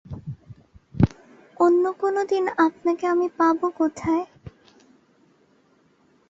অন্য কোনোদিন আপনাকে আমি পাব কোথায়?